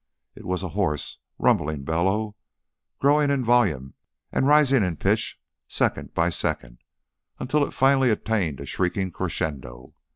It was a hoarse, rumbling bellow, growing in volume and rising in pitch second by second until it finally attained a shrieking crescendo.